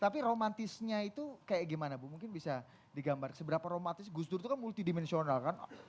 tapi romantisnya itu kayak gimana bu mungkin bisa digambar seberapa romantis gus dur itu kan multidimensional kan